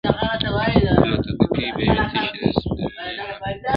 له توتکیو به وي تشې د سپرلي لمني-